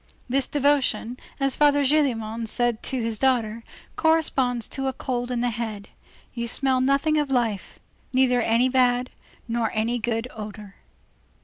This devotion, as Father Gillenormand said to his daughter, corresponds to a cold in the head. You smell nothing of life. Neither any bad, nor any good odor.